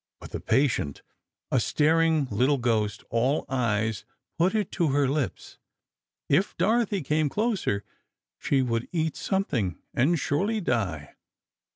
But the patient, a staring little ghost, all eyes, put it to her lips. If Dorothy came closer, she would eat something, and surely die.